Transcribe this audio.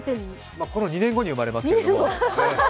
ま、この２年後に生まれますけど。